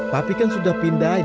papi kan sudah pindahin